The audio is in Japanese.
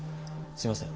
すいません。